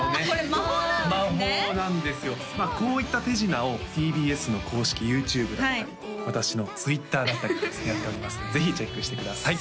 まあこういった手品をＴＢＳの公式ＹｏｕＴｕｂｅだったり私のＴｗｉｔｔｅｒだったりですねやっておりますのでぜひチェックしてください